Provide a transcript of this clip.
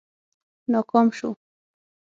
ناکام شو.